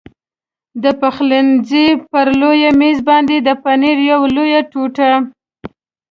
د پخلنځي پر لوی مېز باندې د پنیر یوه لویه ټوټه.